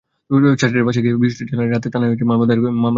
ছাত্রীরা বাসায় গিয়ে বিষয়টি জানালে রাতে থানায় মামলা দায়ের করেন তাদের বাবা।